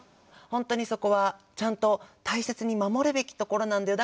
本当にそこはちゃんと大切に守るべきところなんだよ。